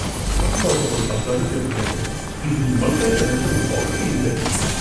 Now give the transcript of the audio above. One possible alternative metric is the Multidimensional Poverty Index.